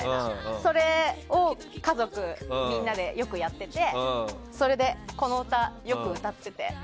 それを家族みんなでよくやっててこの歌をよく歌ってて。